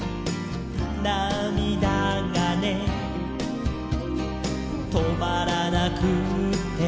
「なみだがねとまらなくって」